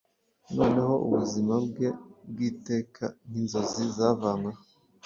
Noneho ubuzima bwe bw'iteka Nkinzozi zavanyweho